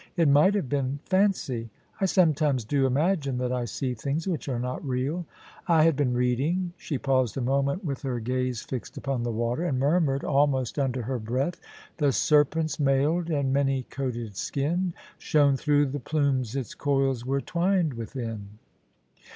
* It might have been fancy. I sometimes do imagine that I see things which are not real. I had been reading '— she paused a moment, with her gaze fixed upon the water, and murmured, almost under her breath : The serpent's mailed and many coated skin Shone through the plumes its coils were twined within.'